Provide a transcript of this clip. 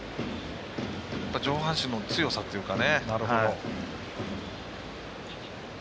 上半身の強さというか。